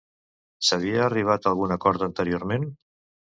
S'havia arribat a algun acord anteriorment?